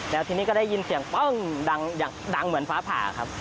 แล้วทีนี้ก็ได้ยินเสียงปึ้งดังเหมือนฟ้าผ่าครับ